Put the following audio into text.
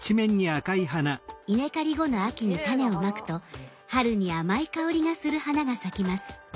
稲刈り後の秋に種をまくと春に甘い香りがする花が咲きます。